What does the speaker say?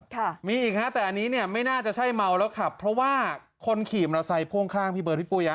ค่ะมีอีกฮะแต่อันนี้เนี่ยไม่น่าจะใช่เมาแล้วขับเพราะว่าคนขี่มอเตอร์ไซค่วงข้างพี่เบิร์ดพี่ปุ้ยฮ